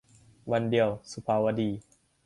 วันเดียว - สุภาวดี